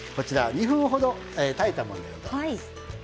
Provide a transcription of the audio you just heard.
２分ほど炊いたものになります。